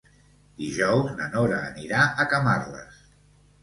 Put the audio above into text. Dijous na Nora anirà a Camarles.